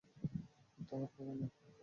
প্রত্যাহার করে নাও।